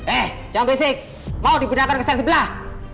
eh jangan bisik mau diberikan kesan sebelah